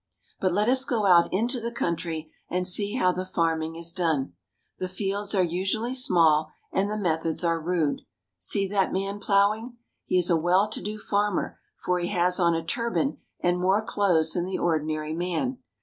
But let us go out into the country and see how the farming is done. The fields are usually small, and the methods are rude. See that man plowing ! He is a well to do farmer, for he has on a turban and more clothes than the ordinary man.